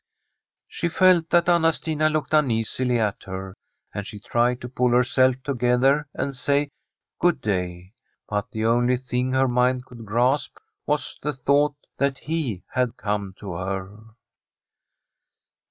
She felt that Anna Stina looked uneasily at her, and she tried to pull herself together and say * Good day.' But the only thing her mind could grasp was the thought that he had come to her.